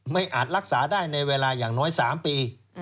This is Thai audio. อาจรักษาได้ในเวลาอย่างน้อย๓ปี